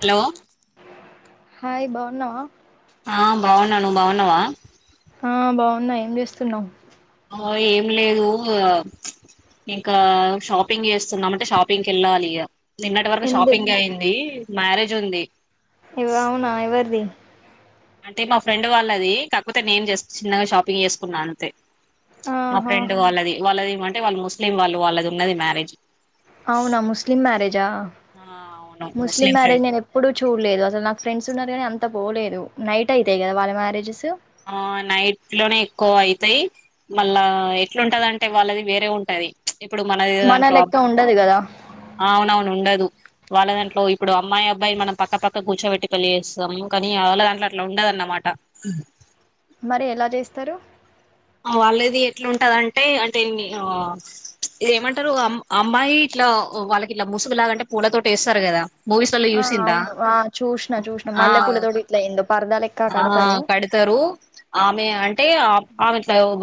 Hello hi బాగున్నావా ఆ బాగున్నా నువ్ బావున్నావా ఎం చేస్తున్నావ్ ఏం లేదు ఇంకా షాపింగ్ చేస్తున్నామంటే షాపింగ్కి వెళ్ళాలి నిన్నటి వరకు ఎందు షాపింగే అయింది మ్యారేజ్ ఉంది ఇ అవునా ఇవరిది అంటే మా ఫ్రెండ్ వాళ్ళది కాకపోతే నేను జస్ట్ చిన్నగా షాపింగ్ చేసుకున్నా అంతే మా ఆహా ఫ్రెండ్ వాళ్ళది వాళ్ళది అంటే వాళ్ళు ముస్లిం వాళ్ళు వాళ్ళది ఉన్నది మ్యారేజ్ అవునా ముస్లిం మ్యారేజా ఆ అవును ముస్లిం మ్యారేజ్ ఫ్రెండ్ నేను ఎప్పుడుూ చూడలేదు అసలు నాకు ఫ్రెండ్స్ ఉన్నారు కానీ అంత అంత పోలేదు నైట్ అయితాయి కదా వాళ్ళ మ్యారేజెస్ ఆ నైట్ లోనే ఎక్కువ అయితాయి మళ్ళా ఎట్లుంటదంటే వాళ్ళది వేరే ఉంటది ఇప్పుడు మన దాంట్లో లెక్క ఉండదు కదా అవున అవును ఉండదు వాళ్ళ దాంట్లో ఇప్పుడు అమ్మాయి అబ్బాయి మనం పక్క పక్క కూర్చోబెట్టి పెళ్లి చేస్తాము కానీ వాళ్ళ దాంట్లో అట్లా ఉండదన్నమాట మరి ఎలా చేస్తారు వాళ్ళ ఇది ఎట్లాంటదంటే అంటే ఇది ఏమంటారు అమ్మాయి ఇట్లా వాళ్ళకి ఇట్లా ముసుగులాగాంటే పూల తోటి వేస్తారు కదా మూవీస్లలో ఆ చూసిందా అవును ఆ చూసిన చూసిన ఆ మల్లెపూల తోటి ఇట్లా ఏందో పరదా లెక్క కడతారు కడతారు ఆమె అంటే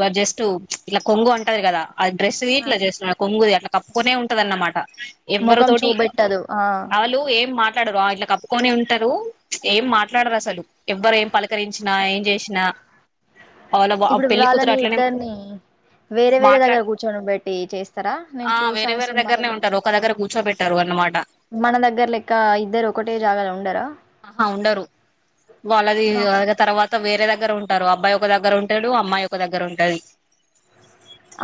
బై జస్ట్ ఇట్లా కొంగు అంటది కదా అది డ్రెస్ ఆ వీట్లో చేస్తున్నారు కొంగుది అట్లా కప్పుకొనే ఉంటదన్నమాట ఎవ్వరి ముఖం తోటి చూపెట్టదు ఆ వాళ్ళు ఏం మా మాట్లాడరు ఇట్లా కప్పుకొని ఉంటారు ఏం మాట్లాడరు అసలు ఎవ్వరు ఏం పలకరించినా ఏం చేసినా అవల్ల బ ఇప్పుడు వాళ్ళని ఇద్దరిని వేరే వేరే మాట్లా దగ్గర కూర్చొని పెట్టి చేస్తారా నేను చూసాను సినిమాలలో పెట్టారు అన్నమాట మన దగ్గర లెక్క ఇద్దరు ఒకటే జాగాలో ఉండరా ఆహా ఉండరు వాళ్ళది అవునా తర్వాత వేరే దగ్గర ఉంటారు అబ్బయి ఒక దగ్గర ఉంటాడు అమ్మాయి ఒక దగ్గర ఉంటుది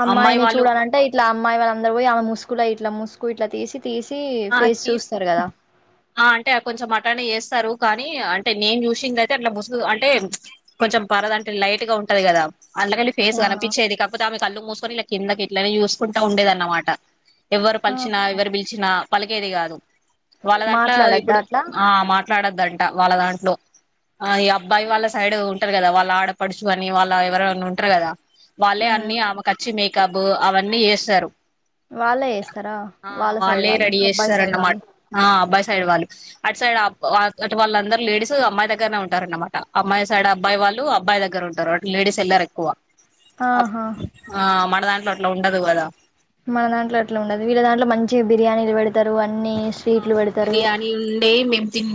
అమ్మాయిని చూడాలంటే ఇట్లా అమ్మాయి వాళ్ళ అందర పోయి ఆమె ముసుగులు ఇట్లా ముసుగు ఇట్లా తీసి తీసి ఆ ఫేస్ తీసి చూస్తారు కదా ఆ అంటే కొంచెం అటానే చేస్తారు కానీ అంటే నేను చూసింది అయితే అట్లా ముసుగు అంటే కొంచెం పరద అంటే లైట్ గా ఉంటది కదా అళ్ళకెళ్లి ఫేస్ ఆ గనిపిచ్చేది కాకపోతే కళ్లు మూసుకొని ఇట్ల కిందకిట్లనే కు ఉండేదన్నమాట ఎవరు పలిచినా ఆహా. ఎవరు పిలిచినా పలికేది కాదు వాళ్ళ దాంట్లో మాట్లాడద్దా ఇప్పుడు అట్లా ఆ మాట్లాడద్ దంట వాళ్ళ దాంట్లో ఆ అబ్బాయి వాళ్ళ సైడ్ ఉంటారు కదా వాళ్ళ ఆడపడుచు అని వాళ్ళ ఎవర ఉంటారు కదా వాళ్ళే హ్మ్. అన్ని ఆమెకిచ్చి మేకప్ అవన్నీ చేస్తారు వాళ్ళే వేస్తారా ఆ వాళ్ళ సైడ్ వాళ్ళే వాళ్ళు రెడీ అబ్బాయి సైడ్ చేస్తారన్నమాట వాళ్ళు ఆ అబ్బాయి సైడ్ వాళ్ళు అటు సైడ్ అటు వాళ్ళందరుూ లేడీస్ అమ్మాయి దగ్గరనే ఉంటారు అన్నమాట అమ్మాయి సైడ్ అబ్బాయి వాళ్ళు అబ్బాయి దగ్గర ఉంటారు అ లేడీస్ వెళ్లారు ఎక్కువ అ ఆహా ఆ మన దాట్లా ఉండదు కదా మన దాంట్లో అట్లా ఉండదు వీళ్ళ దాంట్లో మంచి బిర్యానీలు పెడతారు అన్ని స్వీట్లు అవును పెడతారు బిర్యానీ ఉండే మేం తిం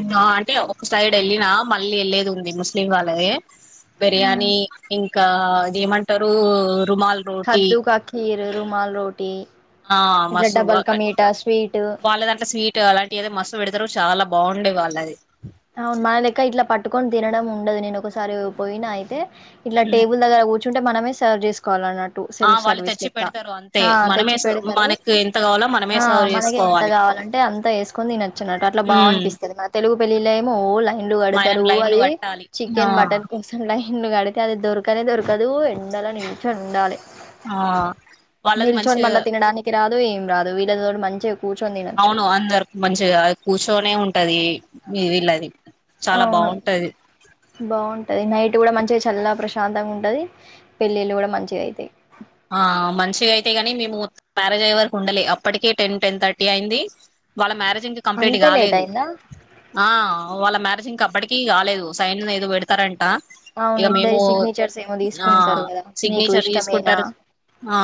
తే ఒక సైడ్ వెళ్ళినా మళ్ళీ వెళ్ళేది ఉంది ముస్లిం వాళ్ళది బిర్యానీ ఇంకా ఇకా అదేమంటారు కద్దుూ కా ఖీర్ రుమాల్ రోటీ ఆ ఇట్లా మస్త్ డబల్ కా మీఠా స్వీట్ వాళ్ళదాంట్లో స్వీట్ అలాంటి ఏదో మస్తు పెడతారు చాలా బాగుండే వాళ్ళది అవును మన లెక్క ఇట్లా పట్టుకొని తినడం ఉండదు నేను ఒకసారి పోయిన అయితే ఇట్లా టెబుల్ దగ్గర చంటే మనమే సర్వ్ చేసుకోవాల అన్నటు ఆ సెల్ఫ్ వాళ్ళు సర్వీస్ తెచ్చి లెక్క పెడతారు అంతే మనమే తెచ్చి పెడతారు మనకి ఎంత కావాలో మనమే సర్వ్ మనక ఎంత చేసుకోవాలి కావాలంటే అంత వేసుకని తొచ్చినట్టు అట్లా ఉమ్ బానిపిస్తుంది మన తెలుగు పెళ్ళలె ఓ లైన్లు మనం కడతారు లైన్లు అది కట్టాలి ఆ చికెన్ మటన్ కోసం ఎన్ను కడితే అది దొరకనే దొరకదు ఎండలో నించోనుండాలి ఆ వాళ్ళది మంచి నిల్చోని మళ్ళా తినడానికి రాదుం రాదు వీళ్ళది కూడా మంచి అవును అందరుకు మంచిగా కూర్చొనే ఉంటది మీ వీళ్ళది చాలా అవును బాగుంటది బాగుంటది నైట్ నైట్ కూడా మంచి చల్ల ప్రశాంతంగా ఉంటది పెళ్ళిళ్ళు కూడా మంచిగయితాయి ఆ మంచిగా అయితే గాని మేము మ్యారేజ్ అయ్యే వర్కు ఉండాలె అప్పటికే టెన్ టెన్ థర్టీ అయింది వాళ్ళ మ్యారేజింక కంప్లీట్ అంత లేట్ కాలేదు అయిందా? ఆ వాళ్ళ మ్యారేజింగ్ ఇంక అప్పటికిీ కాలేదు సైన్ ఏదో పెడతారంట అవును ఇక మేము ఇద్దరి సిగ్నేచర్స్ ఏమో ఆ తీసుకుంటారు కదా నీకు సిగ్నేచర్ ఇష్టమేనా తీసుకుంటారు ఆ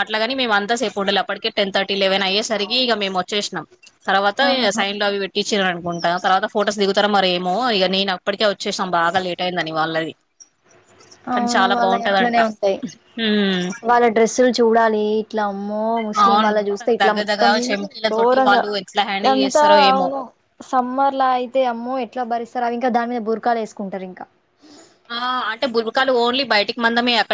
అట్లాగాని మేమ అంతా సేపు ఉండాల అప్పటికే టెన్ థర్టీ లెవెన్ అయ్యేసరికి ఇక మేము వచ్చేసినాం తర్వాత ఆహా! సాయిన్లో అవి పెట్టి చిర అనుకుంటాను తర్వాత ఫొటోస్ దిగుతారు మరేమో ఇక నేను అప్పటికే వచ్చేసాం బాగా లేట్ అయిందని వాళ్ళది కానీ అవును చాలా వాళ్ళయి బాగుంటదంట అట్లనే ఉంటయి. వాళ్ళ డ్రెస్సులు చూడాలి ఇట్లా అమ్మో ముస్లిం అవును వాళ్ళ మొత్తం చూస్తే ఇట్లా దగ్గ దగ్గ మొత్తం చెంకీల తోటి ఘోరంగా వాళ్ళు ఎట్లా హ్యాండిల్ అంతా చేస్తారో ఏమో అవును సమ్మర్లా అయితే అమ్మో ఎట్లా భరి అవి ఇంకా దాని మీద బుర్కాలు వేసుకుంటారు ఇంకా ఆ అంటే బుర్కాలు ఓన్లీ బయటికి మందమే అ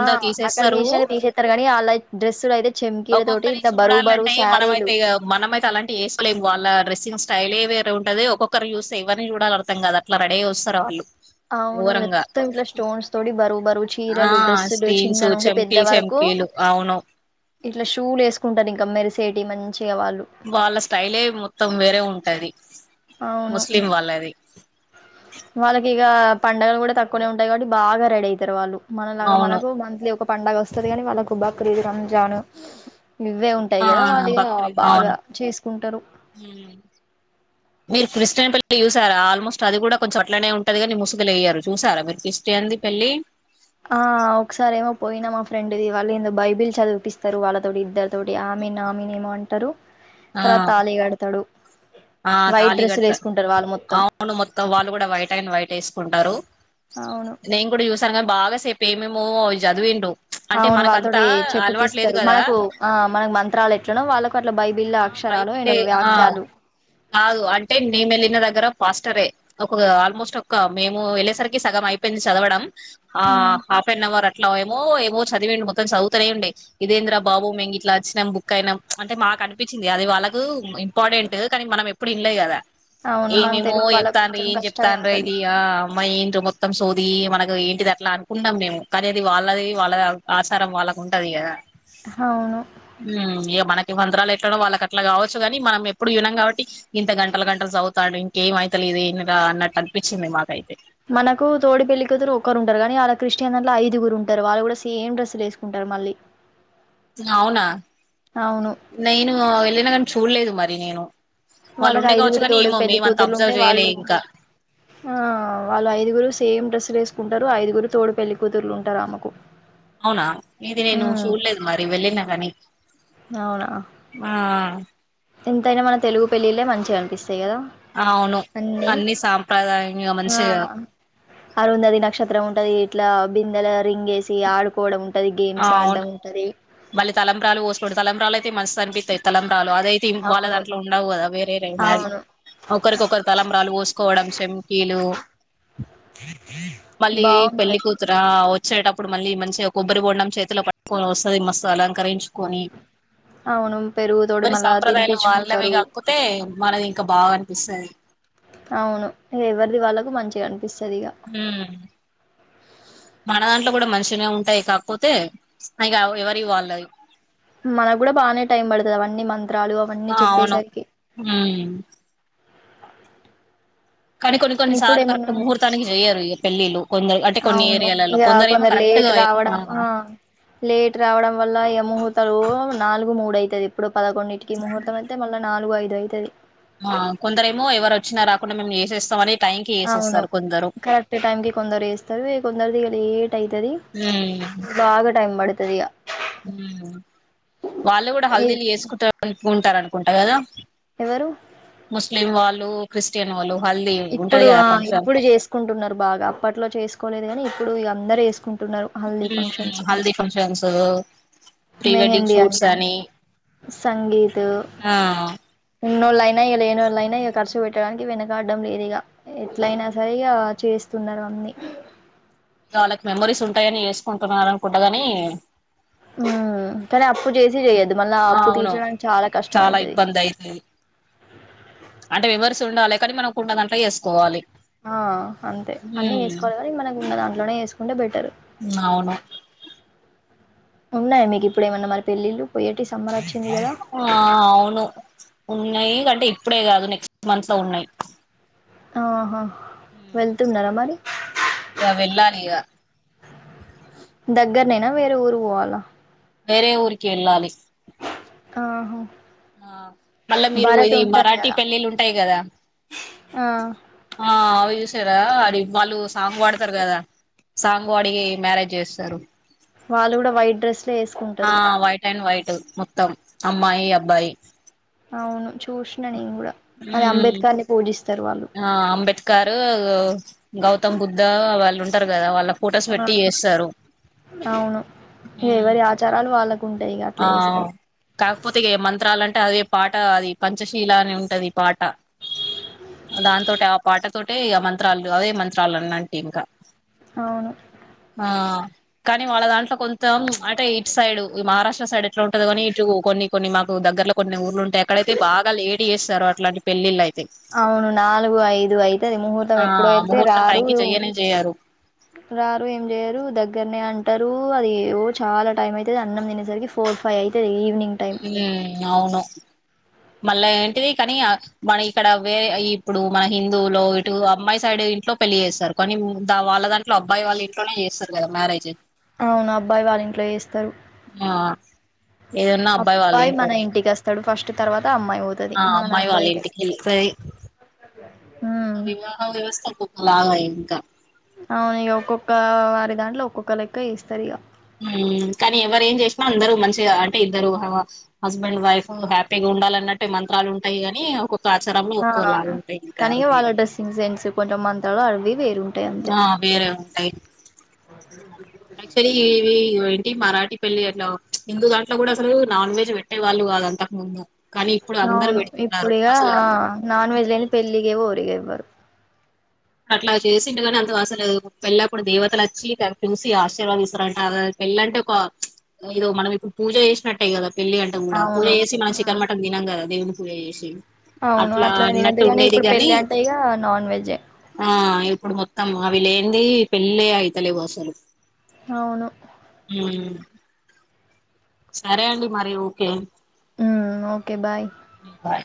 ఆ అక్కడ తీసాక తీసేస్తారు కాగానీ వాళ్ళ డ్రెస్సులు అయితే ఒక్కొక్కరి చూడాలంటే మనమైతే మనమైతే అలాంటివి వేసుకోలేము వాళ్ళ డ్రెస్సింగ్ స్టైలే వేరేంటది ఒక్కొక్కరు చూస్తే ఇవన్నని చూడాల అర్థం కాదు అట్లా రేడ అయిస్తారు వాళ్ళు అవును ఘోరంగా మొత్తం ఇట్లా స్టోన్స్ తోటి బరువు బరువు ఆ చీరలు డ్రెస్సులు చిన్న స్టీల్స్ నుండి పెద్ద చెంకీలు వరకు చెంకీలు అవును ఇట్లా షూలు వేసుకుంటారు ఇంకా మెరిసేటి మంచి వాళ్ళ స్టైలే మొత్తం వేరే ఉంటది అవును ముస్లిం వాళ్ళాది వాళ్ళకి ఇక పండగలు కూడా తక్కువనే ఉంటాయి కాబట్టి బాగా రెడీ అయితారు వాళ్ళు మనలాగా అవును మనకు మంత్లీ ఒక పండగ వస్తది కానీ వాళ్ళకు బక్రీదు రంజాను ఇవ్వే ఉంటాయి ఆ కదా వాళ్ళిగా బక్రీద్ బాగా అవును చేసుకుంటారు మీరు క్రిస్టియన్ పెళ్లి చూసారా ఆల్మోస్ట్ అది కూడా కొంచెం అట్లనే ఉంటది గాని ముసుగులు ఎయ్యారు చూసార మీరు క్రిస్టియన్ ది పెళ్ళి పోయిన మా ఫ్రెండ్ ది వాళ్ళు ఏందో బైబిల్ చదివిపిస్తారు వాళ్ళతోటి ఇద్దరు తోటి ఆమె నామిన ఏమో అంటారు. ఆ తర్వాత తాళి గడతడు. ఆ తాలి గాడ్ వాళ్ళు మొత్తం కుంటారు అవును నేం కూడా చూస్ [unintelligible] బాగా సేపు ఏమేమో చదివిండు అంటే అవును వాళ్ళతోటి మనకంతా అలవాటు లేదు చెప్పిపిస్తారు కదా మనకు ఆ మనకు మంత్రాలు ఎట్లనో వాళ్ళకు అట్లా బైబిల్ ఆ అక్షరాలు అండ్ బైబిలే ఆ వ్యాఖ్యాలు కాదు అంటే మేము వెళ్ళిన దగ్గర పాస్టరే ఒక ఆల్మోస్ట్ ఒక మేము వెళ్ళేసరికి సగం అయిపో యింది చదవడం ఆ ఉమ్ హాఫ్ అన్ అవర్ అట్లా ఏమో ఏమో చదివండి మొత్తం చదువుతనే ఉండే ఇదేంద్ర బాబు మేము ఇట్లా వచ్చినాం బుక్ అయినాం అంటే మాకు అనిపించింది అది వాళ్ళకు ఇంపార్టెంట్ మనం ఎప్పుడు ఇన్లే గదా అవును మనం ఏమేమో తెలుగు వాళ్ళకు చెప్తాండ్రు కొంచెం ఏమి కష్టమే చెప్తండ్రో ఉంటది ఇది అ ఏంట్రా మొ మొత్తం సోది మనకు ఏంటిది అట్లా అనుకుంటాం మేము కానీ అది వాళ్ళది వాళ్ళ ఆచారం వాళ్ళకు ఉంటది గదా. అవును మ్ ఇగ మనకు మంత్రాలూ ఎట్లనో వాళ్ళకి అట్ల కావచ్చుగాని మన ఎప్పుడు యు కాబట్టి ఇంత గంటలు గంటలు చదువుతాండు ఇంకేంమయితలేదు ఏందిరా అన్నట్టు అనిపించింది మాకైతే మనకు తోడి పెళ్లి కూతురు ఒకరు ఉంటారు కానీ వాళ్ళ క్రిస్టియన్ అంట్ల ఐదుగురు ఉంటారు వాళ్ళు కూడా సేమ్ డ్రస్సులు వేసుకుంటారు మళ్ళీ అవునా అవును నేను వెళ్లిన గాని చూడలేదు మరి నేను వాళ్ళు వాళ్ళకి ఉండే కావచ్చు ఐదుగురు కానీ తోడి ఏమో పెళ్లి మేమంత కూతురులు ఉంటే అబ్జర్వ్ చేయలే వాళ్ళు ఇంకా ఆ వాళ్ళు ఐదుగురు సేమ్ డ్రస్లు వేసుకు కుంటారు ఐదుగురు తోడు పెళ్లి కూతుర్లు ఉంటారు ఆమెకు అవునా ఇది నేను ఉమ్ చూడలేదు మరి వెళ్ళిన కానీ అవునా ఆ ఎంతైనా మన తెలుగు పెళ్ళిళ్ళే మంచిగా అనిపిస్తది. గదా అవును ఉందే అన్ని సాంప్రదాయంగా అ మంచిగా అరుందతి నక్షత్రం ఉంటది ఇట్లా బిందాల రింగేసి ఆడుకోవడం ఉంటది అ గేమ్స్ ఆడడం అవును ఉంటది మళ్ళీ తలంబ్రాలు పోసుకోడు తలంబ్రాలయితే [unintelligible] తన్ పిత్ అయితానం లు అదయితే వాళ్ళ అవును దాంట్లో ఉండవు కదా వేరేరేైనావీ అవును ఒకరికొకరు తలంబరాలు పోసుకోవడం సంకీలు మళ్ళీ పెళ్ళ బాగుంటాయి కూతురా వ చేటప్పుడు మళ్ళీ మంచి ఒక కొబ్బరి బండనం చేతిలో పట్టుకొని వస్తుంది మస్త్ అలంకరించుకొని అవును పెరుగుతోటి ఎవరి మళ్ళా సాంప్రదాయాలు వాళ్ళవి తినిపించుకుంటారు కాకపోతే మనది ఇంకా బాగ్ విసా అవును ఎవరిది వాళ్ళకు మంచిగా ఉ పిస్తాది ఇగ ఉమ్ మన దాంట్లో కూడా మంచినే ఉంటాయి కాకపోతే అక ఎవరి వాళ్ళవి మనకు కూడా బాగానే టైం పడుతుంది అవన్నీ మం ఆ అవును హమ్ కానీ కొన్ని కొన్ని సార్లు కరెక్ట్ ఇప్పుడేమన్నా ముహూర్తానికి చేయ్యారు పెళ్ళిళ్లు కొందరు అంటే కొన్ని అవును ఏరియాలలో ఇగ కొందరు ఏమో లేట్ కరెక్ట్గా రావడం ఆ లేట్ రావడం వల్ల ఇగ ముహూర్తాలు నాలుగు మూడు అయితది ఇప్పుడుదొండింటికి ముహూర్తం అయితే మళ్ళ నాలుగు ఐదు దే తది ఆ కొందర ఏమో ఎవరు వచ్చినా రాకుండా మేము చేసేస్తామని అవును కరెక్ట్ టైమ్ కి కొందరు చేస్తారు కొందరిది ఇగ లేట్ అయితది ఉమ్ బాగా టైం పడుత్ త ఇగ ఉమ్ వాళ్ళు కూడా ఈ హల్దిల్ చేసుకుంటారు అనుకు టరనుకుంట కదా. ఎవరు ముస్లిం వాల్ లీ క్రిస్టియన్ వాళ్ళు హల్దీ ఉంటది ఇప్పుడు కదా ఆ ఫంక్షన్ ఇప్పుడు చేసుకుంటున్నారు బాగా అప్పట్లో చేస్ కోలేదు గాని ఇప్పుడు ఇగ అందరు ఏసుకుంటున్నారు, haldi um functions. Haldi functions pre wedding mehndi అని, షూట్స్ సంగీత్. ఆ ఉన్నోళ్ళలయినా ఇగా లేఏోళ్ళలైనా ఇగా ఖర్చు పెట్టడానికి వెనకకా డం లేదీగా ఎట్లాయినా సరి ఇగా చేస్తున్నారు అన్ని వాళ్ళకి మెమరీస్ ఉ టాయని చేసుకుంటున్న అనుకుంటగాని ఉమ్ కానీ అప్పు చేసి చెయ్యద్దు అవును చాలా ఇబ్బంది అయితాది అంటే వివర్ ఉండాలి కానీ మనం ఉన్న దంట్లో చేసుకోవాలి ఆ అంతే. అన్నీ ఉమ్ వేసుకోవాలి కానీ, మనకు ఉన్న దాంట్లోనే వేసుకుంటే బెటరు. అవును ఉన్నాయా మీకు? ఇప్పుడు ఏమైన్నా మరి, పెళ్లిలూ పోయేటిస. ఆ అవును. ఉన్నాయి అంటే, ఇప్పుడే కాదు? నెక్స్ట్ మంత్ లో ఉన్నాయి. ఆహా. హ్మ్మ్, వెళ్తున్నారా మరి వెళ్లాలి ఇగ. దగ్గర ననా? వేర ఊరు పోవాలా? వేరే, ఊరికి వెళ్లాలి? ఆహ! ఆ మల్ల, మీరు ఇది మరాఠీ కదా పెళ్లిలు ఉంటాయి కదా? ఆ ఆ. రా అది. వాళ్లు సాంగ్ పాడుతారు గదా? సాంగ్ పాడి మ్యారేజ్ జేస్తరు. వాళ్లు కూడా, వైట్ డ్రెస్. ఆ వైట్! And white! మొత్తం అమ్మాయి, అబ్బాయి. అవును. జూశ్నా, నేను కూడా అదే. ఉమ్ అంబేద్కర్‌ ని పూజిస్తారు. వాళ్ళు ఆ అంబేద్కర్, గౌతమ్ బుద్ధ వల్ల. ఉంటారు కదా? వాళ్లక్. ఆ అవును, ఎవరి ఆచారాలు వాళ్లక్. ఆ, కాకపోతే గే మంత్రాలు అం. అదే పాట. అది పంచశీల అన్నీ ఉంటది పాట. దాంతోటే ఆ పాటతోటే ఇగ, మంత్రాలు, అదే మంత్రాలు అన్న్ అంటి ఇంకా. అవును ఆ కానీ వాళ్ల దాంట్లో కొంతం అంటే, ఇట్ సైడ్ ఈ మహారాష్ట్. ట సైడ్, ఎట్లా ఉంటధో కాని? ఇటు కొన్ని, కొన్ని మాకు దగ్గరలో కొని ఊర్లు ఉం. పెళ్ళిళ్ళు అయితే అవును నాలుగు, ఐదు అయితది. ముహూర్తం ఆ ఎప్పుడ వెళ్తే ముహూర్తం రారు. టైంకి చెయ్యనే చెయ్యరు రారు ఏం జెయ్యరు దగ్గరనే అం. టారు అది. ఓ చాలా టైం అయితది. అన్నం తినేసరికి ఫోర్, ఫైవ్ అయితది. ఈవినింగ్ టైం హ్మ్మ్, అవును. మల్ల ఏంటిది? కానీ ఆ మన ఇక్కడ, వేరే ఇప్పుడు. మన హిందువులో ఇటు, అమ్మాయి సైడ్ ఇంట్లో పెళ్లి జేస్తరు. కానీ ఉ దా వాళ్ల దాంట్లో అబ్బాయి వాళ్లు ఇంట్లోనే జేస్తరు కదా మ్యారేజ్? అవును, అబ్బాయి వాళ్ల ఇంట్లో జేస్తరు. మా. అబ్బాయి మన ఇంటికి, ఆస్తాడు ఫస్ట్. స్ట్ తర్వాత. అమ్మాయి పోతది ఆ మన అమ్మాయి, దాంట్లో వాళ్ల అయితే ఇంటికి [unintelligible] సరి. ఉమ్ వివాహ వ్యవస్థ, ఇంకొక లాగ ఇంకా. ఆ ఇగా ఒక్కొక్క వారి దాంట్లో ఒక్కొక్క లెక్క ఇస్తరు ఇగా మ్ ఆ కాని ఇగా వాళ్ల డ్రెస్సింగ్ సెన్స్ కొంచెం మంత్రాలు అవ్వి ఆ వేరే ఉంటాయి యాక్చ్చల్లి ఇవి మరాఠీ పెళ్లి అట్లా హిందూ దాంట్లో కూడా అసలు నాన్ వెజ్ పెట్టే వాళ్ళు కాదు అంతకు ముందు కానీ ఇప్పుడు అందరు అవును పెడుతున్నారు ఇప్పుడిగా అసలు నాన్ వెజ్ లేని ఉమ్, పెళ్ళికే పోరు ఎవ్వరు అట్లా చేసిండు గాని అంత అసలు పెళ్ళప్పుడు దేవతలు వచ్చి చూసి ఆశీర్వాదీస్తారంట పెళ్ళి అంటే ఒక ఏదో మనం ఇప్పుడు పూజ చేసినట్టే కదా పెళ్ళి అంటే కూడా పూజ అవును చేసి మనం ఆ చికెన్ మటన్ తినం కదా దేవుని పూజ చేశి అవును అట్లనే తినద్దు గాని ఇప్పుడు పెళ్ళి అంటే ఇగా నాన్ వెజే ఆ ఇప్పుడు మొత్తం అవి లేంది పెళ్ళిలే అయిత లేవు అసలు అవును ఉమ్, సరే అండి మరి ఓకే ఊ ఓకే బాయ్ బాయ్